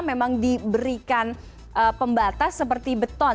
memang diberikan pembatas seperti beton